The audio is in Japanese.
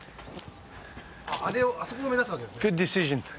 あれをあそこを目指すわけですね？